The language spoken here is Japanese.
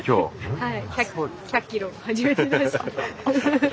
はい。